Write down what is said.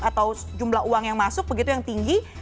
atau jumlah uang yang masuk begitu yang tinggi